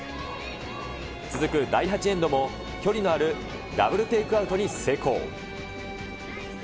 続く第８エンドも、距離のあるダブルテイクアウトに成功。